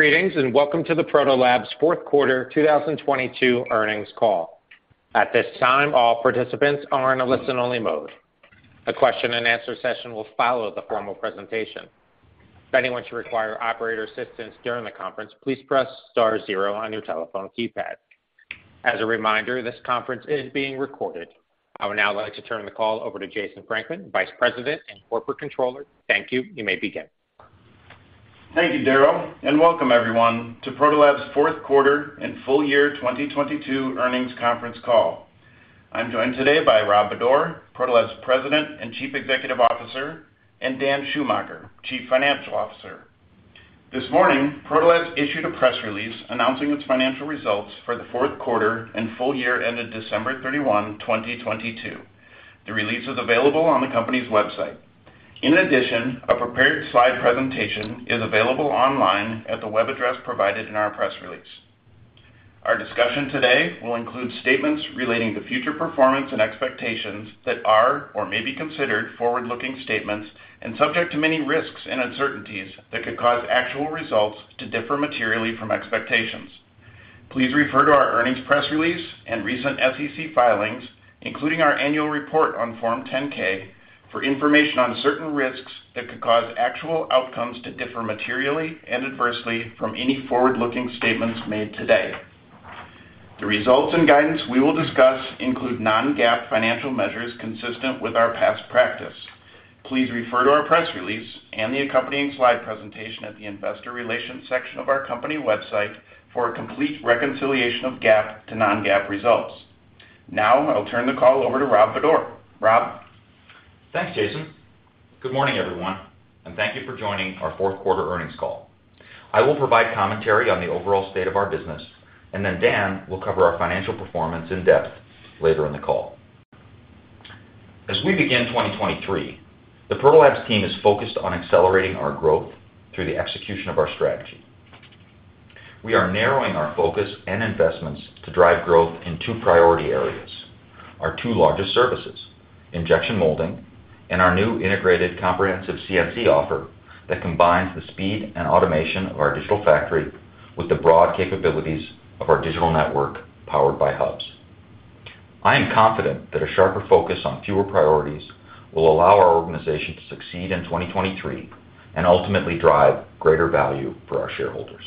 Greetings, welcome to the Protolabs fourth quarter 2022 earnings call. At this time, all participants are in a listen-only mode. A question and answer session will follow the formal presentation. If anyone should require operator assistance during the conference, please press star 0 on your telephone keypad. As a reminder, this conference is being recorded. I would now like to turn the call over to Jason Frankman, Vice President and Corporate Controller. Thank you. You may begin. Thank you, Daryl, and welcome everyone to Protolabs fourth quarter and full year 2022 earnings conference call. I'm joined today by Rob Bodor, Protolabs President and Chief Executive Officer, and Dan Schumacher, Chief Financial Officer. This morning, Protolabs issued a press release announcing its financial results for the fourth quarter and full year ended December 31, 2022. The release is available on the company's website. In addition, a prepared slide presentation is available online at the web address provided in our press release. Our discussion today will include statements relating to future performance and expectations that are or may be considered forward-looking statements and subject to many risks and uncertainties that could cause actual results to differ materially from expectations. Please refer to our earnings press release and recent SEC filings, including our annual report on form 10-K, for information on certain risks that could cause actual outcomes to differ materially and adversely from any forward-looking statements made today. The results and guidance we will discuss include non-GAAP financial measures consistent with our past practice. Please refer to our press release and the accompanying slide presentation at the investor relations section of our company website for a complete reconciliation of GAAP to non-GAAP results. Now, I'll turn the call over to Rob Bodor. Rob? Thanks, Jason. Good morning, everyone, and thank you for joining our fourth quarter earnings call. I will provide commentary on the overall state of our business, and then Dan will cover our financial performance in depth later in the call. As we begin 2023, the Protolabs team is focused on accelerating our growth through the execution of our strategy. We are narrowing our focus and investments to drive growth in two priority areas, our two largest services, injection molding, and our new integrated comprehensive CNC offer that combines the speed and automation of our digital factory with the broad capabilities of our digital network powered by Hubs. I am confident that a sharper focus on fewer priorities will allow our organization to succeed in 2023 and ultimately drive greater value for our shareholders.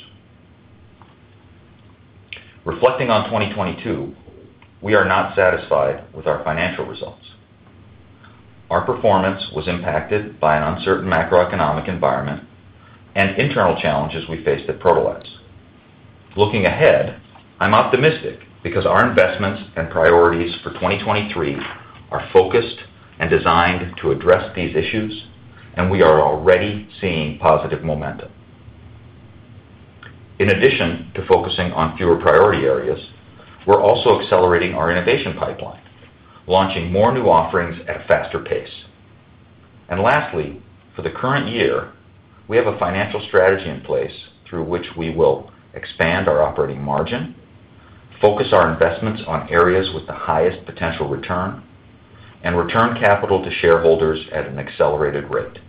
Reflecting on 2022, we are not satisfied with our financial results. Our performance was impacted by an uncertain macroeconomic environment and internal challenges we faced at Protolabs. Looking ahead, I'm optimistic because our investments and priorities for 2023 are focused and designed to address these issues, and we are already seeing positive momentum. In addition to focusing on fewer priority areas, we're also accelerating our innovation pipeline, launching more new offerings at a faster pace. Lastly, for the current year, we have a financial strategy in place through which we will expand our operating margin, focus our investments on areas with the highest potential return, and return capital to shareholders at an accelerated rate.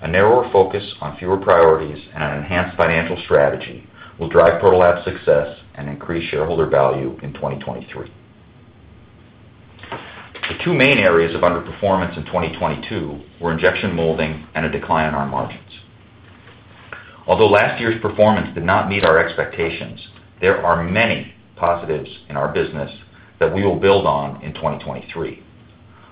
A narrower focus on fewer priorities and an enhanced financial strategy will drive Protolabs' success and increase shareholder value in 2023. The two main areas of underperformance in 2022 were injection molding and a decline in our margins. Although last year's performance did not meet our expectations, there are many positives in our business that we will build on in 2023.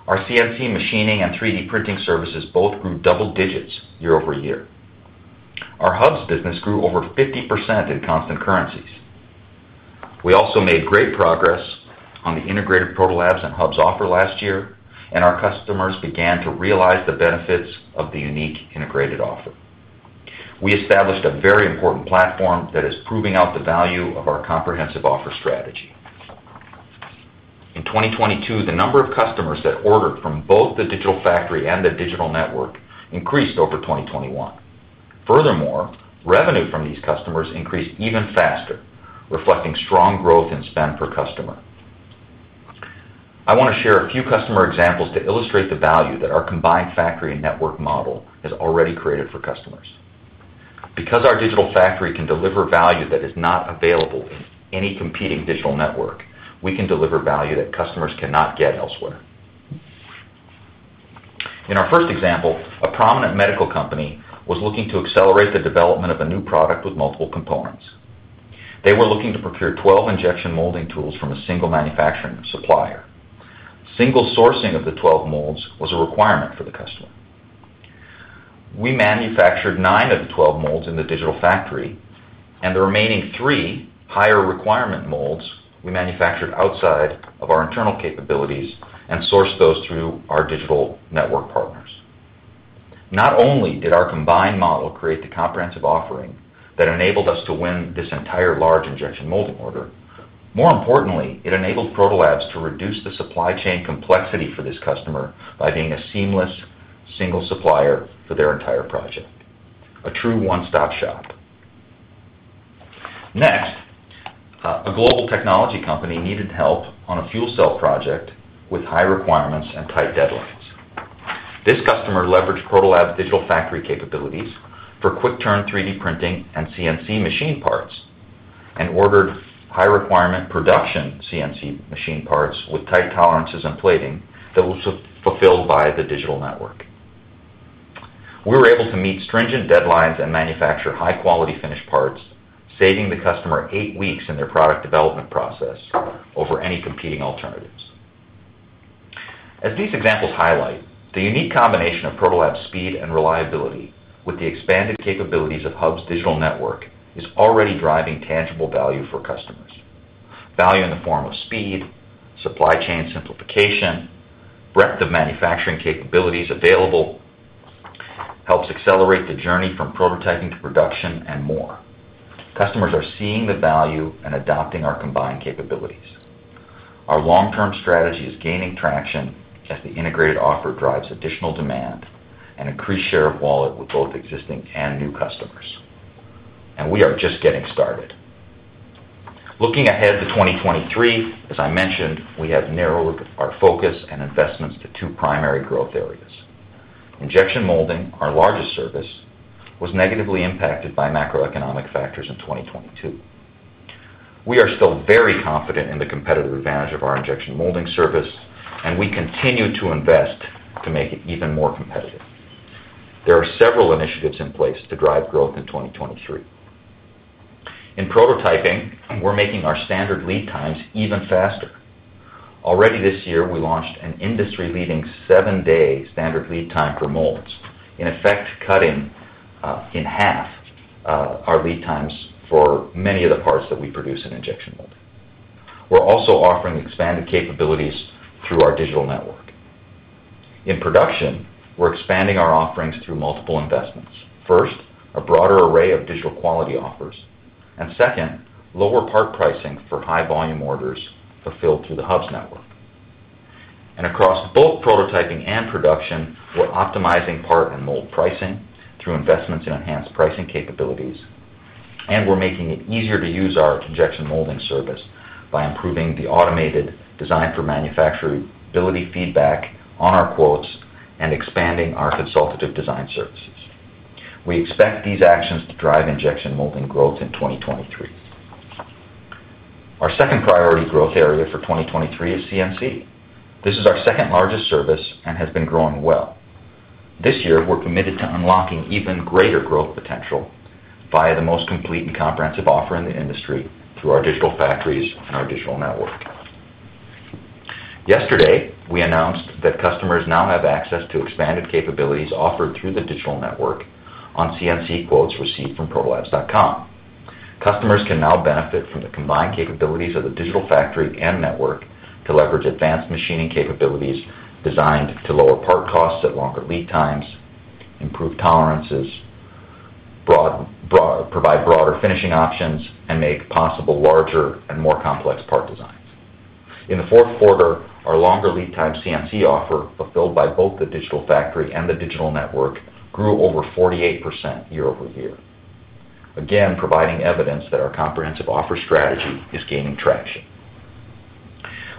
Our CNC machining and 3D printing services both grew double digits year-over-year. Our Hubs business grew over 50% in constant currencies. We also made great progress on the integrated Protolabs and Hubs offer last year, and our customers began to realize the benefits of the unique integrated offer. We established a very important platform that is proving out the value of our comprehensive offer strategy. In 2022, the number of customers that ordered from both the digital factory and the digital network increased over 2021. Furthermore, revenue from these customers increased even faster, reflecting strong growth in spend per customer. I want to share a few customer examples to illustrate the value that our combined factory and network model has already created for customers. Because our digital factory can deliver value that is not available in any competing digital network, we can deliver value that customers cannot get elsewhere. In our first example, a prominent medical company was looking to accelerate the development of a new product with multiple components. They were looking to procure 12 injection molding tools from a single manufacturing supplier. Single sourcing of the 12 molds was a requirement for the customer. We manufactured 9 of the 12 molds in the digital factory, and the remaining 3 higher requirement molds we manufactured outside of our internal capabilities and sourced those through our digital network partners. Not only did our combined model create the comprehensive offering that enabled us to win this entire large injection molding order, more importantly, it enabled Protolabs to reduce the supply chain complexity for this customer by being a seamless single supplier for their entire project. A true one-stop shop. Next, a global technology company needed help on a fuel cell project with high requirements and tight deadlines. This customer leveraged Protolabs digital factory capabilities for quick turn 3D printing and CNC machine parts, and ordered high requirement production CNC machine parts with tight tolerances and plating that was fulfilled via the digital network. We were able to meet stringent deadlines and manufacture high quality finished parts, saving the customer 8 weeks in their product development process over any competing alternatives. As these examples highlight, the unique combination of Protolabs' speed and reliability with the expanded capabilities of Hubs digital network is already driving tangible value for customers. Value in the form of speed, supply chain simplification, breadth of manufacturing capabilities available, helps accelerate the journey from prototyping to production, and more. Customers are seeing the value and adopting our combined capabilities. Our long-term strategy is gaining traction as the integrated offer drives additional demand and increased share of wallet with both existing and new customers. We are just getting started. Looking ahead to 2023, as I mentioned, we have narrowed our focus and investments to two primary growth areas. Injection molding, our largest service, was negatively impacted by macroeconomic factors in 2022. We are still very confident in the competitive advantage of our injection molding service, and we continue to invest to make it even more competitive. There are several initiatives in place to drive growth in 2023. In prototyping, we're making our standard lead times even faster. Already this year, we launched an industry-leading 7-day standard lead time for molds, in effect, cutting in half our lead times for many of the parts that we produce in injection molding. We're also offering expanded capabilities through our digital network. In production, we're expanding our offerings through multiple investments. First, a broader array of digital quality offers, and second, lower part pricing for high volume orders fulfilled through the Hubs network. Across both prototyping and production, we're optimizing part and mold pricing through investments in enhanced pricing capabilities, and we're making it easier to use our injection molding service by improving the automated design for manufacturability feedback on our quotes and expanding our consultative design services. We expect these actions to drive injection molding growth in 2023. Our second priority growth area for 2023 is CNC. This is our second-largest service and has been growing well. This year, we're committed to unlocking even greater growth potential via the most complete and comprehensive offer in the industry through our digital factories and our digital network. Yesterday, we announced that customers now have access to expanded capabilities offered through the digital network on CNC quotes received from protolabs.com. Customers can now benefit from the combined capabilities of the digital factory and network to leverage advanced machining capabilities designed to lower part costs at longer lead times, improve tolerances, provide broader finishing options, and make possible larger and more complex part designs. In the fourth quarter, our longer lead time CNC offer, fulfilled by both the digital factory and the digital network, grew over 48% year-over-year. Providing evidence that our comprehensive offer strategy is gaining traction.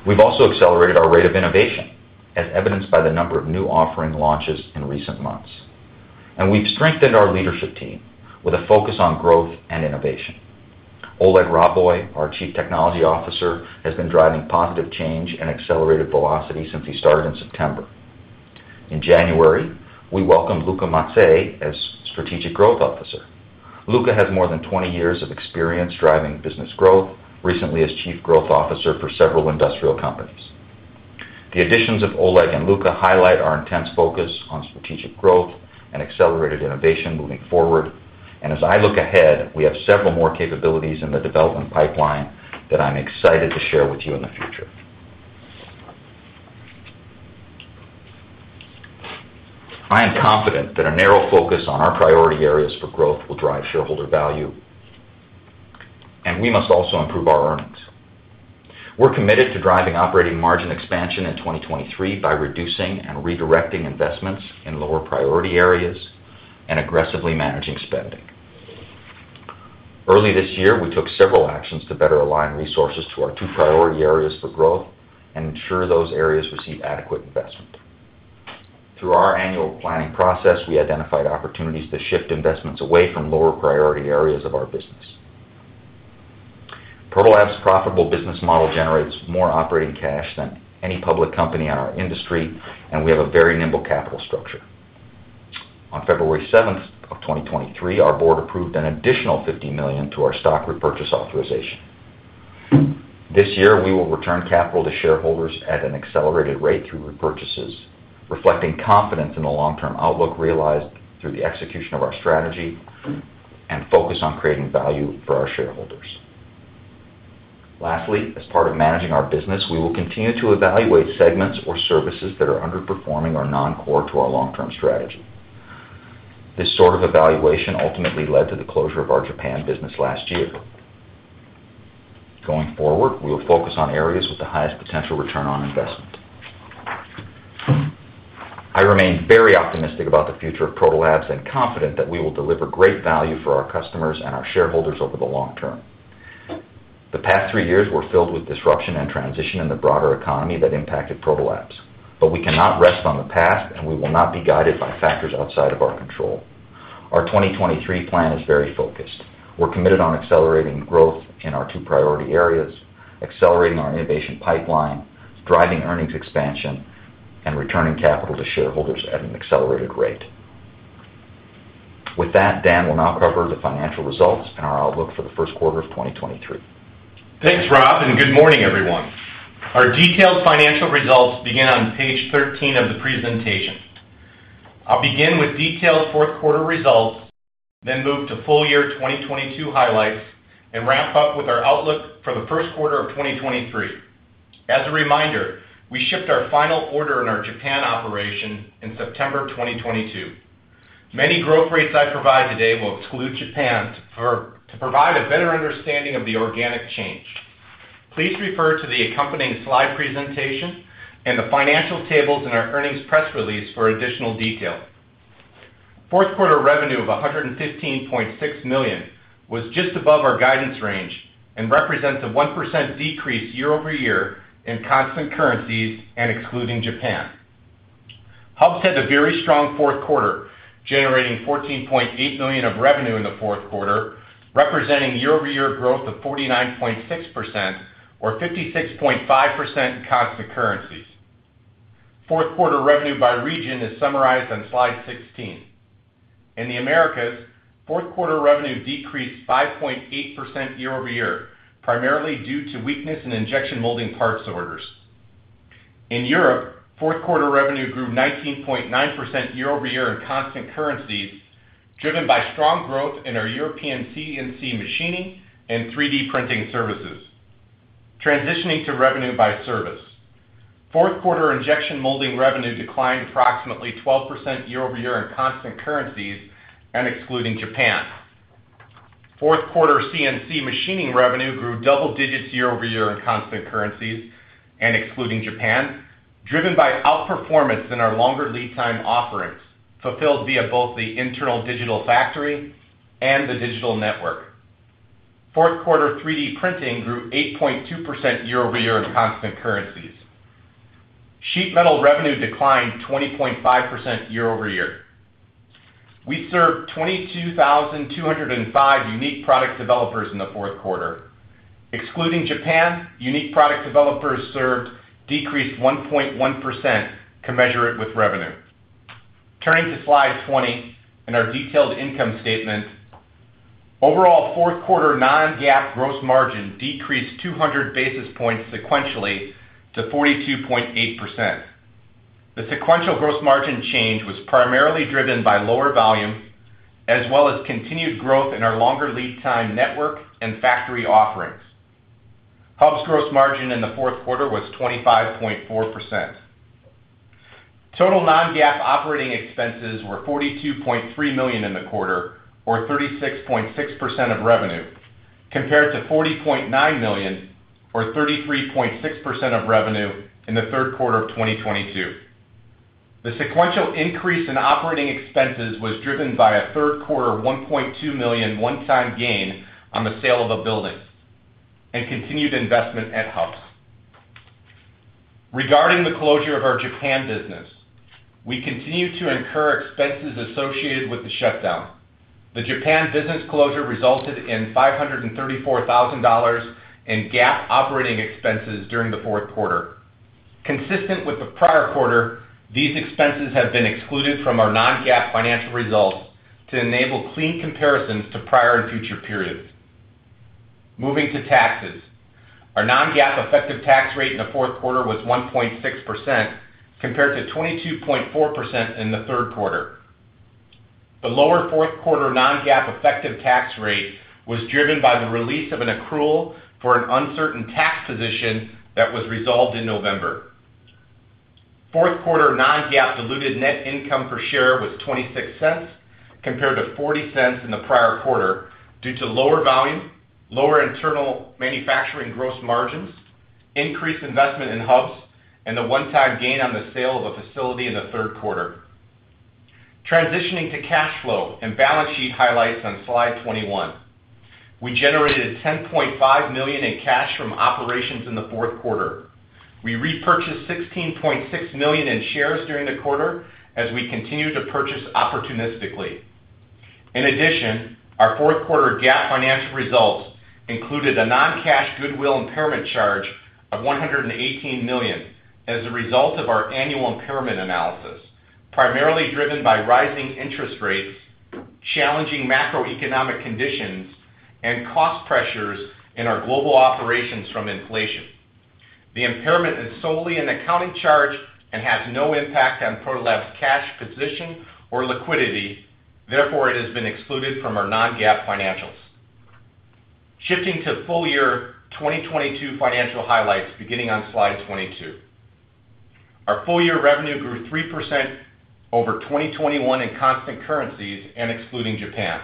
We've also accelerated our rate of innovation, as evidenced by the number of new offering launches in recent months. We've strengthened our leadership team with a focus on growth and innovation. Oleg Ryaboy, our Chief Technology Officer, has been driving positive change and accelerated velocity since he started in September. In January, we welcomed Luca Mazzei as Strategic Growth Officer. Luca has more than 20 years of experience driving business growth, recently as Chief Growth Officer for several industrial companies. The additions of Oleg and Luca highlight our intense focus on strategic growth and accelerated innovation moving forward. As I look ahead, we have several more capabilities in the development pipeline that I'm excited to share with you in the future. I am confident that a narrow focus on our priority areas for growth will drive shareholder value, and we must also improve our earnings. We're committed to driving operating margin expansion in 2023 by reducing and redirecting investments in lower priority areas and aggressively managing spending. Early this year, we took several actions to better align resources to our two priority areas for growth and ensure those areas receive adequate investment. Through our annual planning process, we identified opportunities to shift investments away from lower priority areas of our business. Protolabs' profitable business model generates more operating cash than any public company in our industry, and we have a very nimble capital structure. On February 7, 2023, our board approved an additional $50 million to our stock repurchase authorization. This year, we will return capital to shareholders at an accelerated rate through repurchases, reflecting confidence in the long-term outlook realized through the execution of our strategy and focus on creating value for our shareholders. Lastly, as part of managing our business, we will continue to evaluate segments or services that are underperforming or non-core to our long-term strategy. This sort of evaluation ultimately led to the closure of our Japan business last year. Going forward, we will focus on areas with the highest potential return on investment. I remain very optimistic about the future of Protolabs and confident that we will deliver great value for our customers and our shareholders over the long term. The past three years were filled with disruption and transition in the broader economy that impacted Protolabs.We cannot rest on the past, and we will not be guided by factors outside of our control. Our 2023 plan is very focused. We're committed on accelerating growth in our two priority areas, accelerating our innovation pipeline, driving earnings expansion, and returning capital to shareholders at an accelerated rate. Dan will now cover the financial results and our outlook for the first quarter of 2023. Thanks, Rob, and good morning, everyone. Our detailed financial results begin on page 13 of the presentation. I'll begin with detailed fourth quarter results, then move to full year 2022 highlights and wrap up with our outlook for the first quarter of 2023. As a reminder, we shipped our final order in our Japan operation in September of 2022. Many growth rates I provide today will exclude Japan to provide a better understanding of the organic change. Please refer to the accompanying slide presentation and the financial tables in our earnings press release for additional detail. Fourth quarter revenue of $115.6 million was just above our guidance range and represents a 1% decrease year-over-year in constant currencies and excluding Japan. Hubs had a very strong fourth quarter, generating $14.8 million of revenue in the fourth quarter, representing year-over-year growth of 49.6% or 56.5% in constant currencies. Fourth quarter revenue by region is summarized on slide 16. In the Americas, fourth quarter revenue decreased 5.8% year-over-year, primarily due to weakness in injection molding parts orders. In Europe, fourth quarter revenue grew 19.9% year-over-year in constant currencies, driven by strong growth in our European CNC machining and 3D printing services. Transitioning to revenue by service. Fourth quarter injection molding revenue declined approximately 12% year-over-year in constant currencies and excluding Japan. Fourth quarter CNC machining revenue grew double digits year-over-year in constant currencies and excluding Japan, driven by outperformance in our longer lead time offerings, fulfilled via both the internal digital factory and the digital network. Fourth quarter 3D printing grew 8.2% year-over-year in constant currencies. Sheet metal revenue declined 20.5% year-over-year. We served 22,205 unique product developers in the fourth quarter. Excluding Japan, unique product developers served decreased 1.1%, commensurate with revenue. Turning to slide 20 and our detailed income statement. Overall, fourth quarter non-GAAP gross margin decreased 200 basis points sequentially to 42.8%. The sequential gross margin change was primarily driven by lower volume as well as continued growth in our longer lead time network and factory offerings. Hubs' gross margin in the fourth quarter was 25.4%. Total non-GAAP operating expenses were $42.3 million in the quarter or 36.6% of revenue, compared to $40.9 million or 33.6% of revenue in the third quarter of 2022. The sequential increase in operating expenses was driven by a third quarter $1.2 million one-time gain on the sale of a building and continued investment at Hubs. Regarding the closure of our Japan business, we continue to incur expenses associated with the shutdown. The Japan business closure resulted in $534,000 in GAAP operating expenses during the fourth quarter. Consistent with the prior quarter, these expenses have been excluded from our non-GAAP financial results to enable clean comparisons to prior and future periods. Moving to taxes. Our non-GAAP effective tax rate in the fourth quarter was 1.6%, compared to 22.4% in the third quarter. The lower fourth quarter non-GAAP effective tax rate was driven by the release of an accrual for an uncertain tax position that was resolved in November. Fourth quarter non-GAAP diluted net income per share was $0.26, compared to $0.40 in the prior quarter due to lower volume, lower internal manufacturing gross margins, increased investment in Hubs, and the one-time gain on the sale of a facility in the third quarter. Transitioning to cash flow and balance sheet highlights on slide 21. We generated $10.5 million in cash from operations in the fourth quarter. We repurchased $16.6 million in shares during the quarter as we continue to purchase opportunistically. Our fourth quarter GAAP financial results included a non-cash goodwill impairment charge of $118 million as a result of our annual impairment analysis, primarily driven by rising interest rates, challenging macroeconomic conditions, and cost pressures in our global operations from inflation. The impairment is solely an accounting charge and has no impact on Protolabs' cash position or liquidity. Therefore, it has been excluded from our non-GAAP financials. Shifting to full year 2022 financial highlights beginning on slide 22. Our full year revenue grew 3% over 2021 in constant currencies and excluding Japan.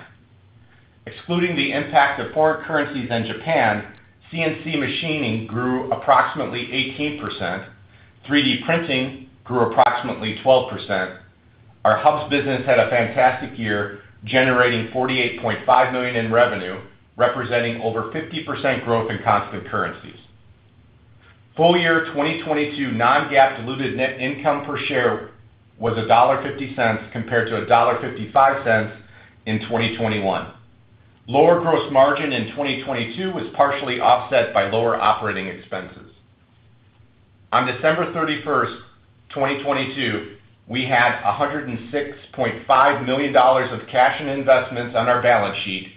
Excluding the impact of foreign currencies in Japan, CNC machining grew approximately 18%. 3D printing grew approximately 12%. Our Hubs business had a fantastic year, generating $48.5 million in revenue, representing over 50% growth in constant currencies. Full year 2022 non-GAAP diluted net income per share was $1.50 compared to $1.55 in 2021. Lower gross margin in 2022 was partially offset by lower operating expenses. On December 31, 2022, we had $106.5 million of cash and investments on our balance sheet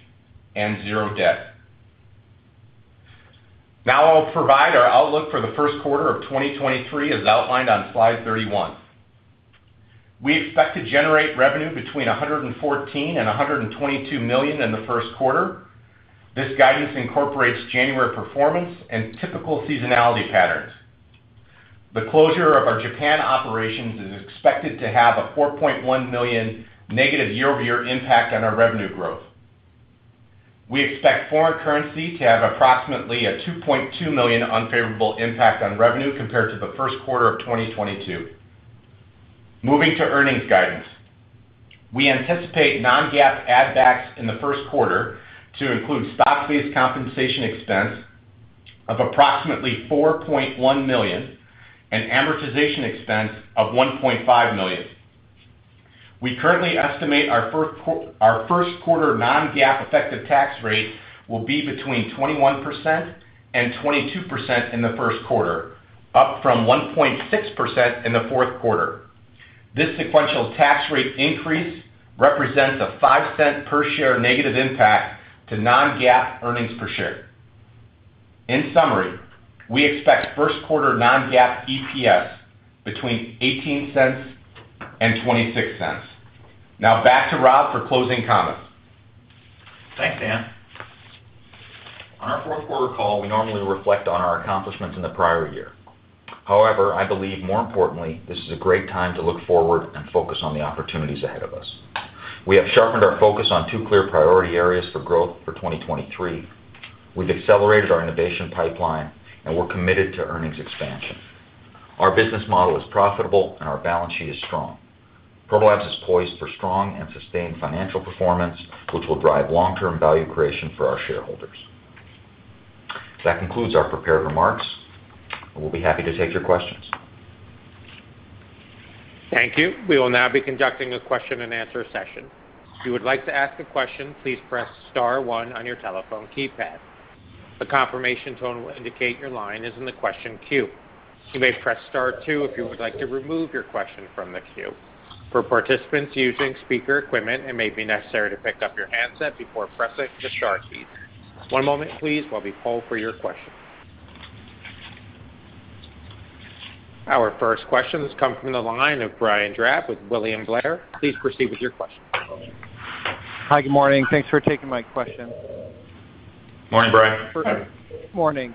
and 0 debt. Now I'll provide our outlook for the first quarter of 2023 as outlined on slide 31. We expect to generate revenue between $114 million-$122 million in the first quarter. This guidance incorporates January performance and typical seasonality patterns. The closure of our Japan operations is expected to have a $4.1 million negative year-over-year impact on our revenue growth. We expect foreign currency to have approximately a $2.2 million unfavorable impact on revenue compared to the first quarter of 2022. Moving to earnings guidance. We anticipate non-GAAP add backs in the first quarter to include stock-based compensation expense of approximately $4.1 million and amortization expense of $1.5 million. We currently estimate our first quarter non-GAAP effective tax rate will be between 21% and 22% in the first quarter, up from 1.6% in the fourth quarter. This sequential tax rate increase represents a $0.05 per share negative impact to non-GAAP earnings per share. In summary, we expect first quarter non-GAAP EPS between $0.18 and $0.26. Back to Rob for closing comments. Thanks, Dan. On our fourth quarter call, we normally reflect on our accomplishments in the prior year. However, I believe more importantly, this is a great time to look forward and focus on the opportunities ahead of us. We have sharpened our focus on two clear priority areas for growth for 2023. We've accelerated our innovation pipeline, and we're committed to earnings expansion. Our business model is profitable and our balance sheet is strong. Protolabs is poised for strong and sustained financial performance, which will drive long-term value creation for our shareholders. That concludes our prepared remarks, and we'll be happy to take your questions. Thank you. We will now be conducting a question-and-answer session. If you would like to ask a question, please press star one on your telephone keypad. The confirmation tone will indicate your line is in the question queue. You may press star two if you would like to remove your question from the queue. For participants using speaker equipment, it may be necessary to pick up your handset before pressing the star key. One moment please while we poll for your question. Our first question has come from the line of Brian Drab with William Blair. Please proceed with your question. Hi. Good morning. Thanks for taking my question. Morning, Brian. Morning.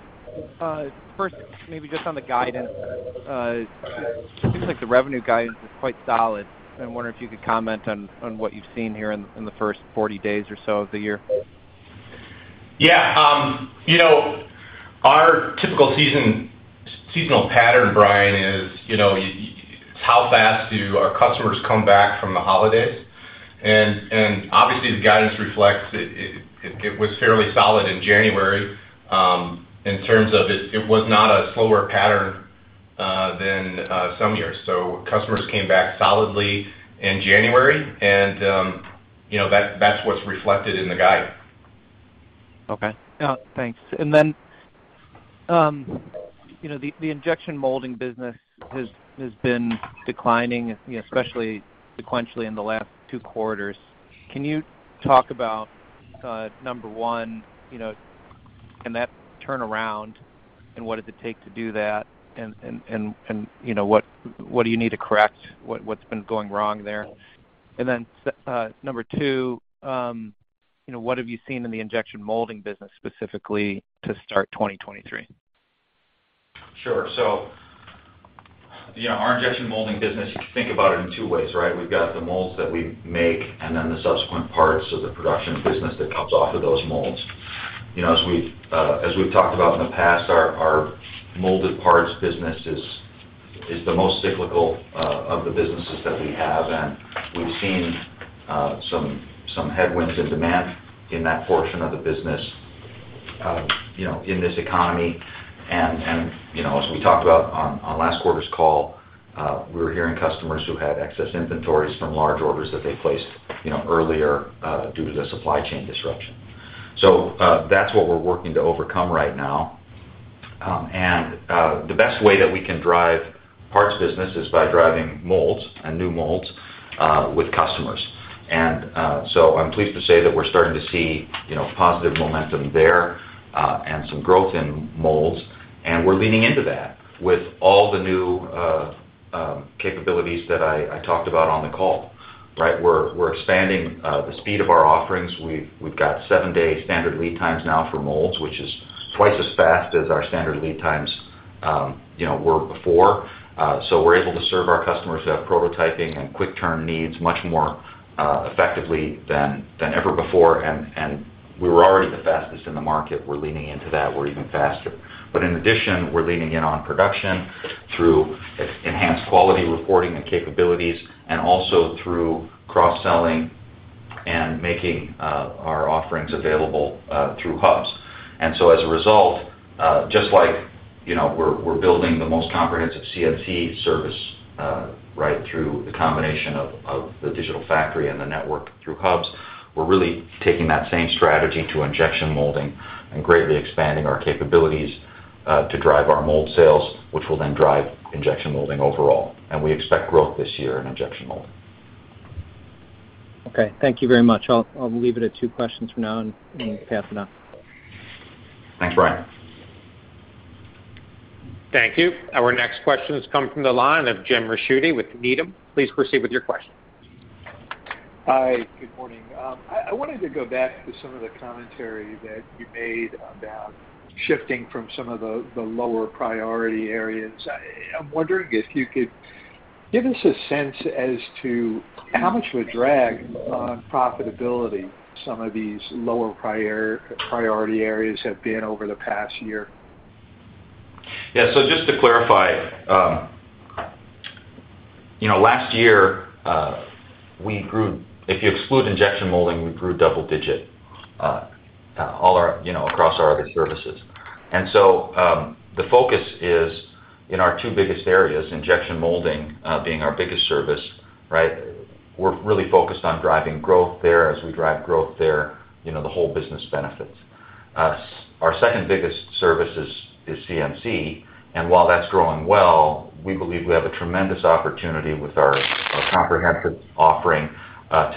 First, maybe just on the guidance. It seems like the revenue guidance is quite solid. I wonder if you could comment on what you've seen here in the first 40 days or so of the year. Yeah. you know, our typical seasonal pattern, Brian, is, you know, how fast do our customers come back from the holidays. Obviously, the guidance reflects it was fairly solid in January, in terms of it was not a slower pattern than some years. Customers came back solidly in January and, you know, that's what's reflected in the guidance. Okay. Yeah. Thanks. You know, the injection molding business has been declining, especially sequentially in the last two quarters. Can you talk about number 1, you know, can that turn around? What does it take to do that? You know, what do you need to correct? What's been going wrong there? Number 2, you know, what have you seen in the injection molding business specifically to start 2023? Sure. You know, our injection molding business, you think about it in two ways, right? We've got the molds that we make and then the subsequent parts of the production business that comes off of those molds. You know, as we've talked about in the past, our molded parts business is the most cyclical of the businesses that we have, and we've seen some headwinds in demand in that portion of the business, you know, in this economy. You know, as we talked about on last quarter's call, we were hearing customers who had excess inventories from large orders that they placed, you know, earlier due to the supply chain disruption. That's what we're working to overcome right now. The best way that we can drive parts business is by driving molds and new molds with customers. I'm pleased to say that we're starting to see, you know, positive momentum there, and some growth in molds, and we're leaning into that with all the new capabilities that I talked about on the call, right? We're expanding the speed of our offerings. We've got 7-day standard lead times now for molds, which is twice as fast as our standard lead times, you know, were before. We're able to serve our customers who have prototyping and quick turn needs much more effectively than ever before. We were already the fastest in the market. We're leaning into that. We're even faster. In addition, we're leaning in on production through enhanced quality reporting and capabilities and also through cross-selling and making our offerings available through Hubs. As a result, just like, you know, we're building the most comprehensive CNC service right through the combination of the digital factory and the network through Hubs, we're really taking that same strategy to injection molding and greatly expanding our capabilities to drive our mold sales, which will then drive injection molding overall. We expect growth this year in injection molding. Okay. Thank you very much. I'll leave it at two questions for now and pass it on. Thanks, Brian. Thank you. Our next question is coming from the line of Jim Ricchiuti with Needham & Company. Please proceed with your question. Hi, good morning. I wanted to go back to some of the commentary that you made about shifting from some of the lower priority areas. I'm wondering if you could give us a sense as to how much of a drag on profitability some of these lower priority areas have been over the past year. Yeah. Just to clarify, you know, last year, we grew... If you exclude injection molding, we grew double digit, all our, you know, across our services. The focus is in our two biggest areas, injection molding, being our biggest service, right? We're really focused on driving growth there. As we drive growth there, you know, the whole business benefits. Our second biggest service is CNC, and while that's growing well, we believe we have a tremendous opportunity with our comprehensive offering to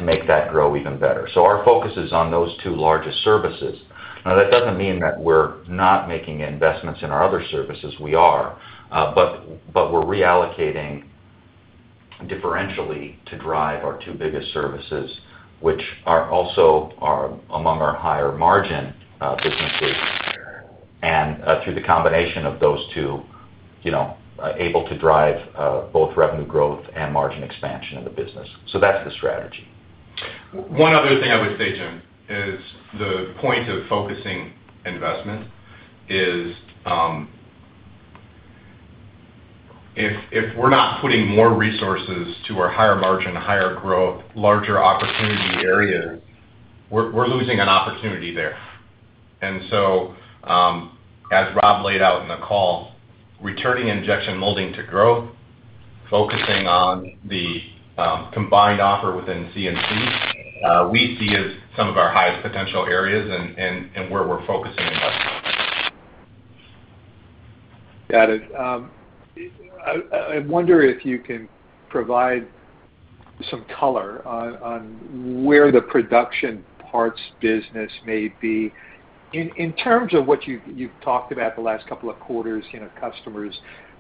make that grow even better. Our focus is on those two largest services. Now, that doesn't mean that we're not making investments in our other services. We are. But we're reallocating differentially to drive our two biggest services, which are also among our higher margin businesses. Through the combination of those two, you know, able to drive, both revenue growth and margin expansion of the business. That's the strategy. One other thing I would say, Jim, is the point of focusing investment is, if we're not putting more resources to our higher margin, higher growth, larger opportunity areas, we're losing an opportunity there. As Rob laid out in the call, returning injection molding to growth, focusing on the combined offer within CNC, we see as some of our highest potential areas and where we're focusing investment. Got it. I wonder if you can provide some color on where the production parts business may be. In terms of what you've talked about the last couple of quarters, you know, customers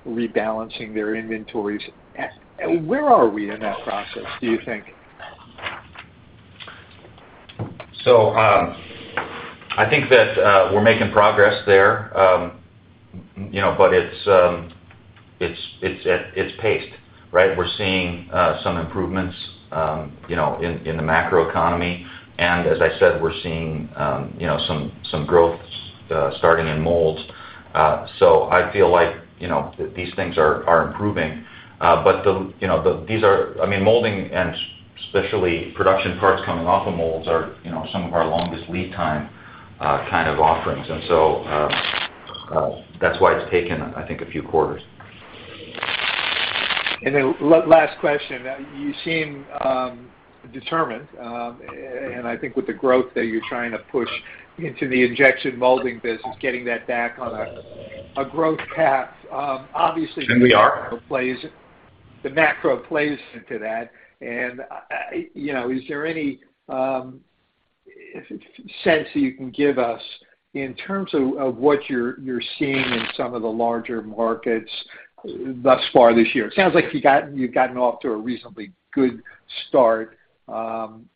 rebalancing their inventories, where are we in that process, do you think? I think that we're making progress there. You know, but it's paced, right? We're seeing some improvements, you know, in the macroeconomy. As I said, we're seeing some growth starting in molds. I feel like, you know, these things are improving. But the, you know, the... I mean, molding and especially production parts coming off of molds are, you know, some of our longest lead time kind of offerings. That's why it's taken, I think, a few quarters. Then last question. You seem determined and I think with the growth that you're trying to push into the injection molding business, getting that back on a growth path, obviously... We are.... the macro plays into that. You know, is there any sense that you can give us in terms of what you're seeing in some of the larger markets thus far this year? It sounds like you've gotten off to a reasonably good start,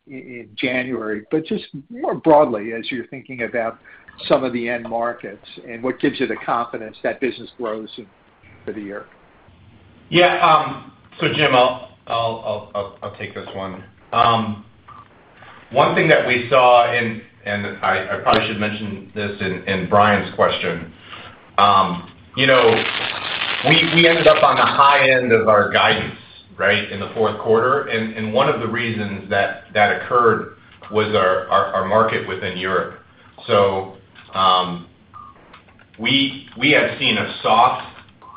in January. Just more broadly as you're thinking about some of the end markets and what gives you the confidence that business grows for the year. Yeah. So Jim, I'll take this one. One thing that we saw in, and I probably should mention this in Brian's question, you know, we ended up on the high end of our guidance, right, in the fourth quarter. One of the reasons that occurred was our market within Europe. We had seen a soft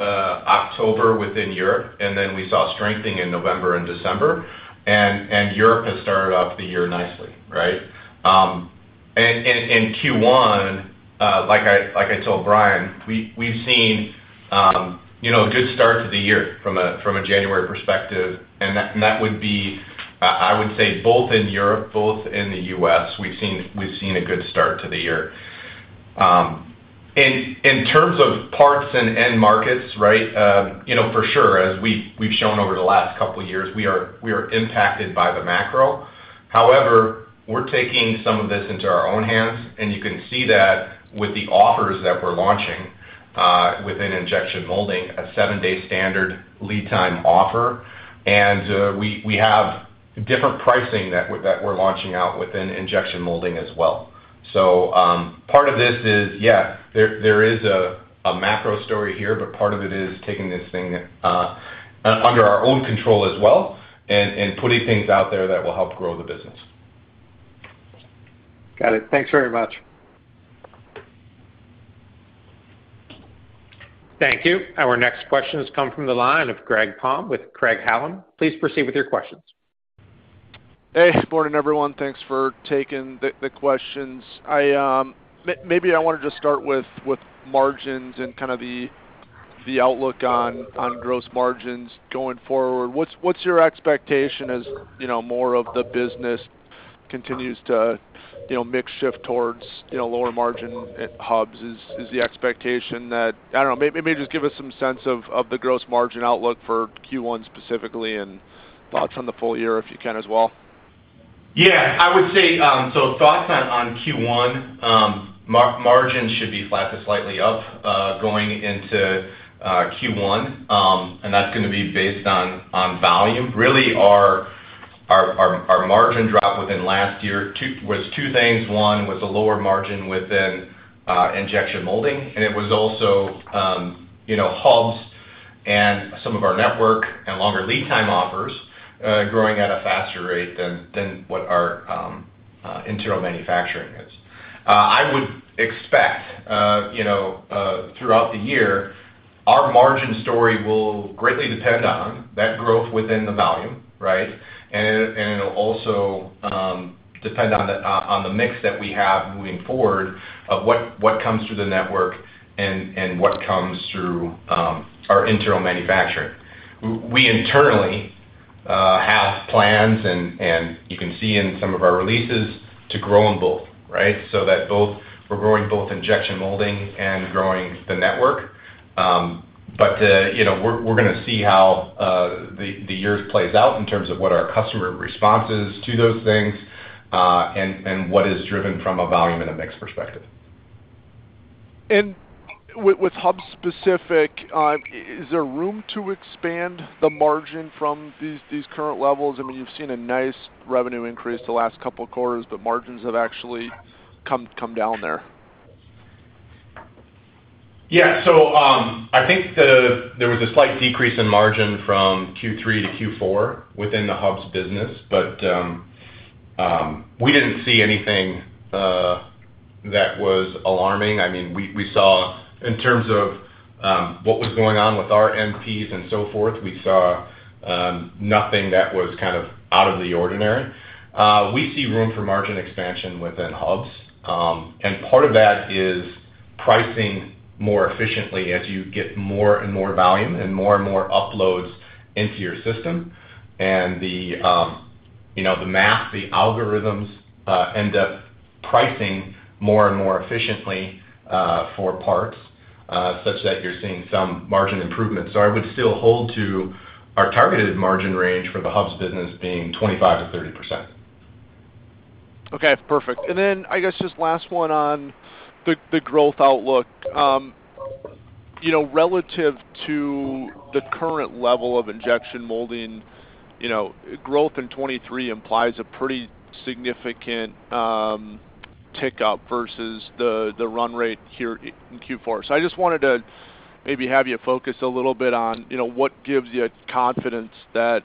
October within Europe, and then we saw strengthening in November and December, and Europe has started off the year nicely, right? In Q1, like I told Brian, we've seen, you know, a good start to the year from a January perspective. That would be, I would say both in Europe, in the U.S., we've seen a good start to the year. In terms of parts and end markets, you know, for sure, as we've shown over the last couple of years, we are impacted by the macro. We're taking some of this into our own hands, and you can see that with the offers that we're launching within injection molding, a 7-day standard lead time offer. We have different pricing that we're launching out within injection molding as well. Part of this is there is a macro story here, but part of it is taking this thing under our own control as well and putting things out there that will help grow the business. Got it. Thanks very much. Thank you. Our next question has come from the line of Greg Palm with Craig-Hallum. Please proceed with your questions. Hey. Morning, everyone. Thanks for taking the questions. I... Maybe I want to just start with margins and kind of the outlook on gross margins going forward. What's your expectation as, you know, more of the business continues to, you know, mix shift towards, you know, lower margin Hubs? Is the expectation that... I don't know. Maybe just give us some sense of the gross margin outlook for Q1 specifically, and thoughts on the full year if you can as well. I would say, so thoughts on Q1, margins should be flat to slightly up, going into Q1, and that's gonna be based on volume. Really our margin drop within last year was two things. One was the lower margin within injection molding, and it was also, you know, Hubs and some of our network and longer lead time offers, growing at a faster rate than what our internal manufacturing is. I would expect, you know, throughout the year, our margin story will greatly depend on that growth within the volume, right? It'll also depend on the mix that we have moving forward of what comes through the network and what comes through our internal manufacturing. We internally have plans, and you can see in some of our releases, to grow in both, right? We're growing both injection molding and growing the network. You know, we're gonna see how the year plays out in terms of what our customer response is to those things, and what is driven from a volume and a mix perspective. With Hubs specific, is there room to expand the margin from these current levels? I mean, you've seen a nice revenue increase the last couple quarters, but margins have actually come down there. I think there was a slight decrease in margin from Q3 to Q4 within the Hubs business. We didn't see anything that was alarming. I mean, we saw in terms of what was going on with our MPs and so forth, we saw nothing that was kind of out of the ordinary. We see room for margin expansion within Hubs. Part of that is pricing more efficiently as you get more and more volume and more and more uploads into your system. The, you know, the math, the algorithms, end up pricing more and more efficiently for parts such that you're seeing some margin improvement. I would still hold to our targeted margin range for the Hubs business being 25%-30%. Okay. Perfect. I guess just last one on the growth outlook. You know, relative to the current level of injection molding, you know, growth in 2023 implies a pretty significant tick up versus the run rate here in Q4. I just wanted to maybe have you focus a little bit on, you know, what gives you confidence that,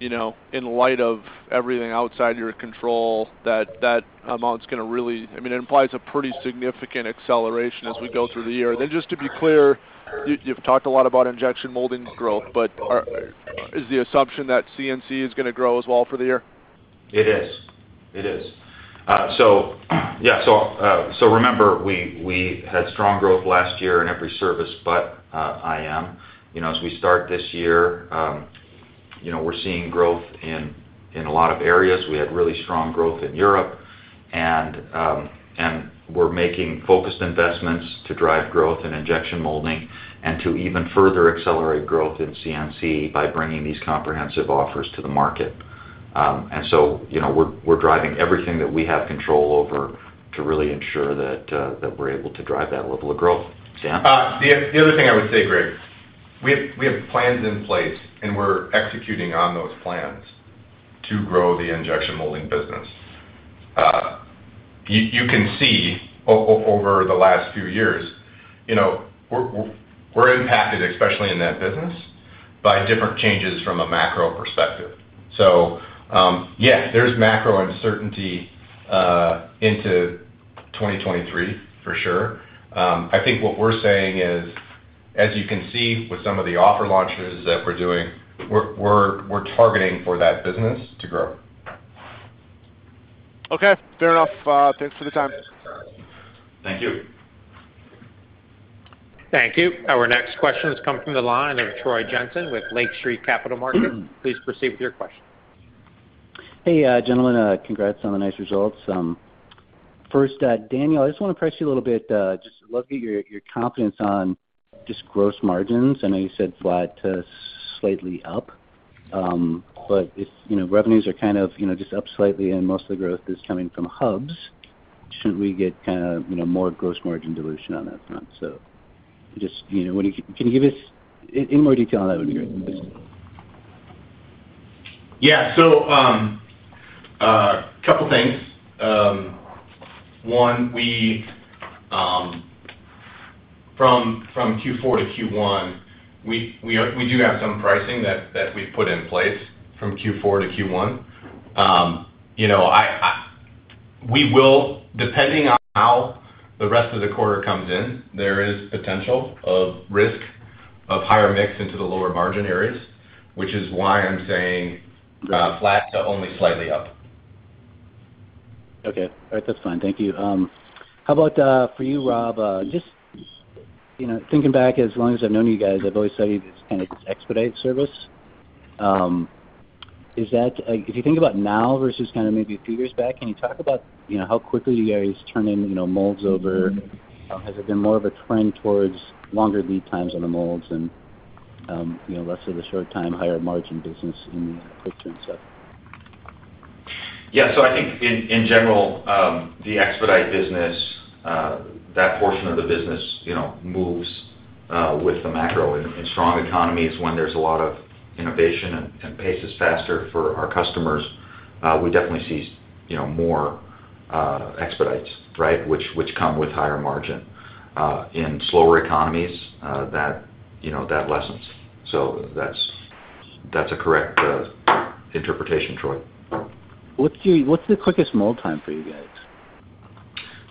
you know, in light of everything outside your control, that that amount's gonna really... I mean, it implies a pretty significant acceleration as we go through the year. Just to be clear, you've talked a lot about injection molding's growth, but, is the assumption that CNC is gonna grow as well for the year? It is. It is. Yeah. Remember, we had strong growth last year in every service, but IM. You know, as we start this year, you know, we're seeing growth in a lot of areas. We had really strong growth in Europe, and we're making focused investments to drive growth in injection molding and to even further accelerate growth in CNC by bringing these comprehensive offers to the market. You know, we're driving everything that we have control over to really ensure that we're able to drive that level of growth. Sam? The other thing I would say, Greg, we have plans in place, we're executing on those plans to grow the injection molding business. You can see over the last few years, you know, we're impacted, especially in that business, by different changes from a macro perspective. Yes, there's macro uncertainty into 2023, for sure. I think what we're saying is, as you can see with some of the offer launches that we're doing, we're targeting for that business to grow. Okay. Fair enough. Thanks for the time. Thank you. Thank you. Our next question has come from the line of Troy Jensen with Lake Street Capital Markets. Please proceed with your question. Hey, gentlemen. Congrats on the nice results. First, Dan, I just wanna press you a little bit, just to look at your confidence on just gross margins. I know you said flat to slightly up. If, you know, revenues are kind of, you know, just up slightly and most of the growth is coming from Hubs, shouldn't we get kinda, you know, more gross margin dilution on that front? Just, you know, can you give us in more detail, that would be great. Yeah. Couple things. One, we from Q4 to Q1, we do have some pricing that we've put in place from Q4 to Q1. You know, depending on how the rest of the quarter comes in, there is potential of risk of higher mix into the lower margin areas, which is why I'm saying flat to only slightly up. Okay. All right, that's fine. Thank you. How about for you, Rob, just, you know, thinking back, as long as I've known you guys, I've always studied this kind of expedite service. Is that, if you think about now versus kind of maybe a few years back, can you talk about, you know, how quickly you guys turn in, you know, molds over? Has it been more of a trend towards longer lead times on the molds and, you know, less of a short time higher margin business in the quick turn stuff? Yeah. I think in general, the expedite business, that portion of the business, you know, moves with the macro. In strong economies when there's a lot of innovation and pace is faster for our customers, we definitely see, you know, more expedites, right? Which come with higher margin. In slower economies, you know, that lessens. That's a correct interpretation, Troy. What's the quickest mold time for you guys?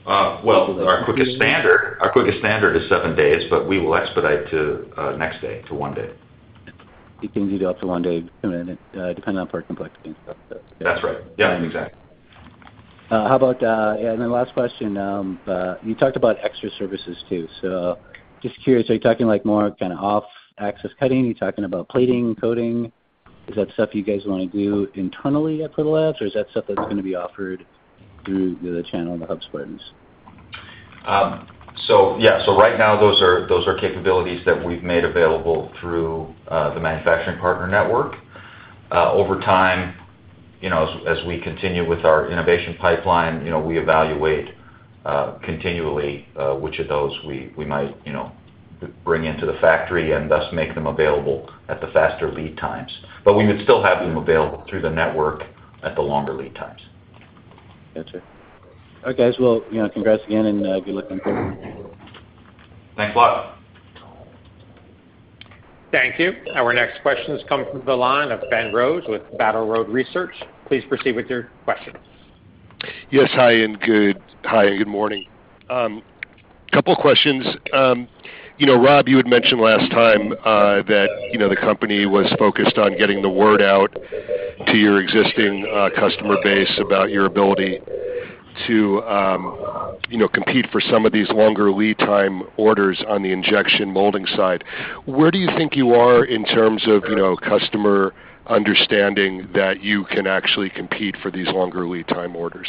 Well, our quickest standard is seven days, but we will expedite to next day to one day. You can do it up to one day, depending on part complexity and stuff like that. That's right. Yeah. Exactly. How about, and then last question, you talked about extra services too. Just curious, are you talking like more kinda off-axis cutting? Are you talking about plating, coating? Is that stuff you guys wanna do internally at Protolabs, or is that stuff that's gonna be offered through the channel, the Hubs suppliers? Yeah. Right now those are capabilities that we've made available through the Manufacturing Partner Network. Over time, you know, as we continue with our innovation pipeline, you know, we evaluate continually which of those we might, you know, bring into the Factory and thus make them available at the faster lead times. We would still have them available through the Network at the longer lead times. Gotcha. All right, guys. Well, you know, congrats again, and good luck in. Thanks a lot. Thank you. Our next question comes from the line of Ben Rose with Battle Road Research. Please proceed with your question. Yes. Hi, and good morning. Couple questions. You know, Rob, you had mentioned last time that, you know, the company was focused on getting the word out to your existing customer base about your ability to, you know, compete for some of these longer lead time orders on the injection molding side. Where do you think you are in terms of, you know, customer understanding that you can actually compete for these longer lead time orders?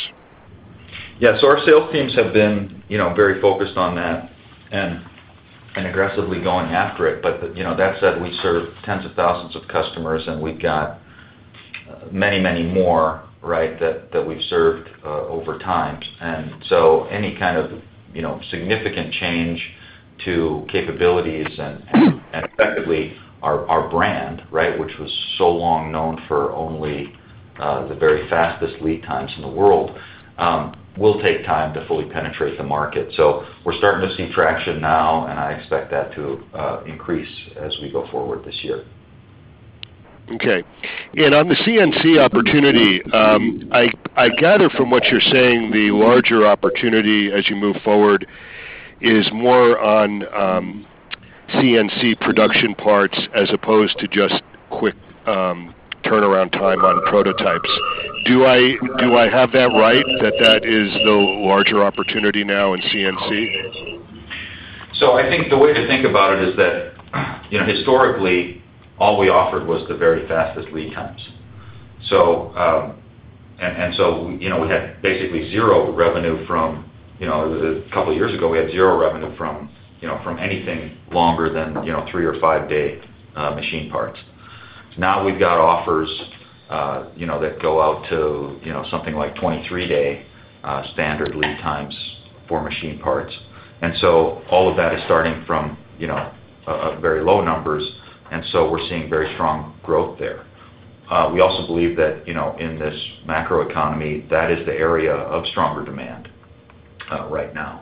Yeah. Our sales teams have been, you know, very focused on that and aggressively going after it. You know, that said, we serve tens of thousands of customers, and we've got many, many more, right, that we've served over time. Any kind of, you know, significant change to capabilities and effectively our brand, right, which was so long known for only the very fastest lead times in the world, will take time to fully penetrate the market. We're starting to see traction now, and I expect that to increase as we go forward this year. Okay. On the CNC opportunity, I gather from what you're saying, the larger opportunity as you move forward is more on CNC production parts as opposed to just quick turnaround time on prototypes. Do I have that right, that that is the larger opportunity now in CNC? I think the way to think about it is that, you know, historically, all we offered was the very fastest lead times. We had basically zero revenue from, you know. A couple years ago, we had zero revenue from, you know, from anything longer than, you know, 3- or 5-day machine parts. Now we've got offers, you know, that go out to, you know, something like 23-day standard lead times for machine parts. All of that is starting from, you know, very low numbers, and so we're seeing very strong growth there. We also believe that, you know, in this macro economy, that is the area of stronger demand right now.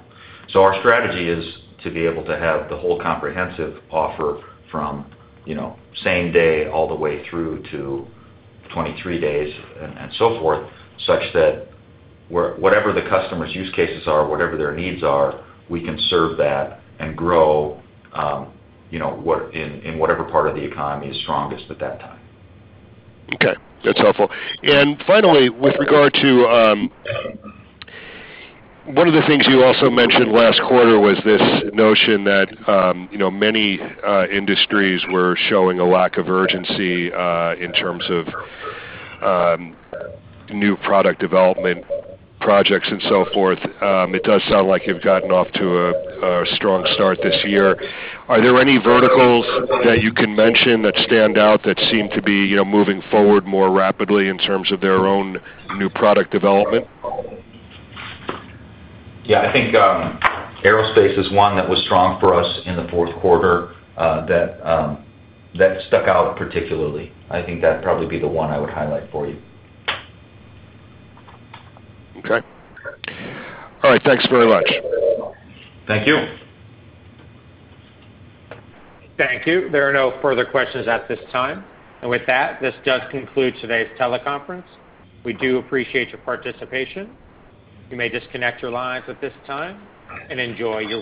Our strategy is to be able to have the whole comprehensive offer from, you know, same day all the way through to 23 days and so forth, such that whatever the customer's use cases are, whatever their needs are, we can serve that and grow, you know, in whatever part of the economy is strongest at that time. Okay. That's helpful. Finally, with regard to... One of the things you also mentioned last quarter was this notion that, you know, many industries were showing a lack of urgency in terms of new product development projects and so forth. It sounds like you've gotten off to a strong start this year. Are there any verticals that you can mention that stand out that seem to be, you know, moving forward more rapidly in terms of their own new product development? Yeah. I think, aerospace is one that was strong for us in the fourth quarter, that stuck out particularly. I think that'd probably be the one I would highlight for you. Okay. All right, thanks very much. Thank you. Thank you. There are no further questions at this time. With that, this does conclude today's teleconference. We do appreciate your participation. You may disconnect your lines at this time, and enjoy your weekend.